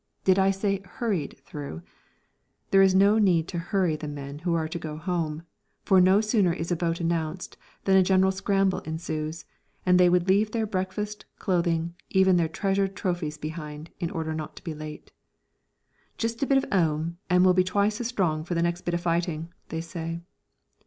Did I say hurried through? There is no need to hurry the men who are to go home, for no sooner is a boat announced than a general scramble ensues, and they will leave their breakfast, clothing, even their treasured trophies behind, in order not to be late. "Just a bit of 'ome, and we'll be twice as strong for the next bit o' fightin'," they say.